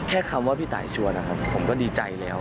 คำว่าพี่ตายชวนนะครับผมก็ดีใจแล้ว